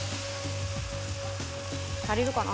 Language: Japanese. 足りるかな？